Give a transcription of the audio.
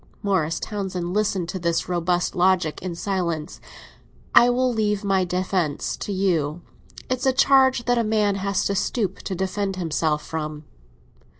Morris Townsend listened to this robust logic in silence. "I will leave my defence to you; it's a charge that a man has to stoop to defend himself from."